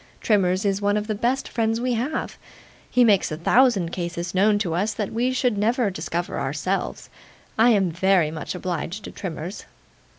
Trimmers is one of the best friends we have. He makes a thousand cases known to us that we should never discover of ourselves. I am VERY much obliged to Trimmers.